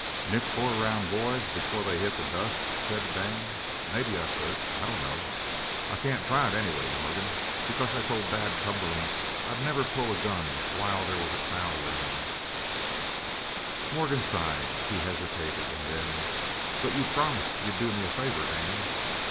"Nick four round boys before they hit the dust?" said Dan. "Maybe I could, I don't know. I can't try it, anyway, Morgan, because I told Dad Cumberland I'd never pull a gun while there was a crowd aroun'." Morgan sighed; he hesitated, and then: "But you promised you'd do me a favour, Dan?"